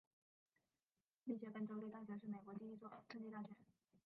密歇根州立大学是美国第一所赠地大学。